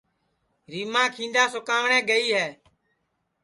ریماں کیندا سُکاوٹؔے گئے ہے